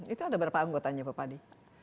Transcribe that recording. itu ada berapa anggotanya papadi